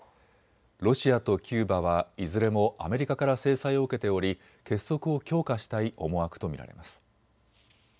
ロシアとキューバは、いずれもアメリカから制裁を受けており結束を強化したい思惑と見られます。